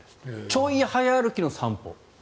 ちょい早歩きの散歩。